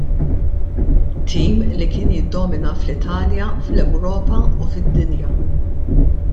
Tim li kien jiddomina fl-Italja, fl-Ewropa u fid-dinja.